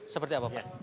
seperti apa pak